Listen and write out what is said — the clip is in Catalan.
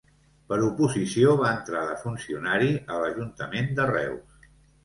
Per oposició va entrar de funcionari a l'ajuntament de Reus.